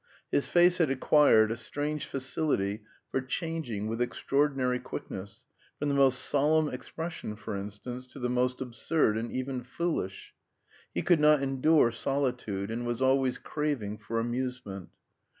His face had acquired a strange facility for changing with extraordinary quickness, from the most solemn expression, for instance, to the most absurd, and even foolish. He could not endure solitude, and was always craving for amusement.